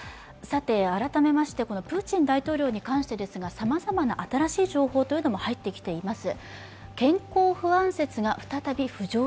改めましてプーチン大統領に関してですがさまざまな新しい情報も入ってきています。